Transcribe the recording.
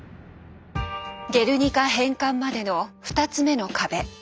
「ゲルニカ」返還までの２つ目の壁